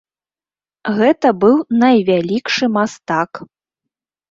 Гэта быў найвялікшы мастак.